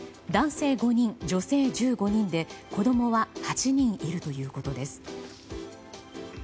男性５人、女性１５人で子供は８人いるということです。